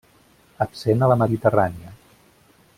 Absent a la Mediterrània.